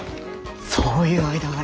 そういう間柄。